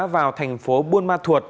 vào thành phố buôn ma thuột